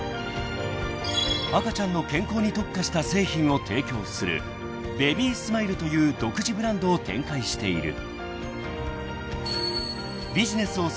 ［赤ちゃんの健康に特化した製品を提供する「ＢａｂｙＳｍｉｌｅ」という独自ブランドを展開している］